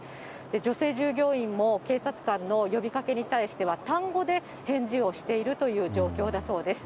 女性従業員も警察官の呼びかけに対しては、単語で返事をしているという状況だそうです。